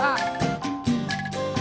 pakan naran bu